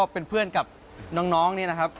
เป็นเพื่อนกับน้องนี่นะครับ